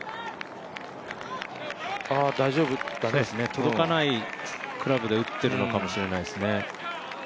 届かないクラブで打ってるのかもしれないですね。